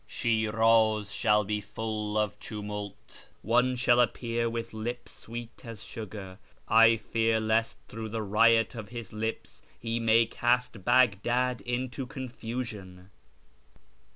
" Shmiz shall be full of tumult ; one shall appear with lips sweet as sugar ; I fear lest through the riot of his lips he may cast Baghdad into confusion."